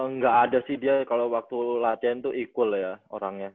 nggak ada sih dia kalau waktu latihan itu equal ya orangnya